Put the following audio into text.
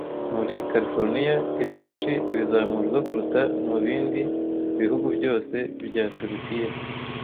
Muri Californiya ibyinshi bizamurwa kuruta mubindi bihugu byose bya Turukiya